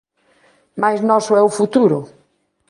Mais noso é o futuro.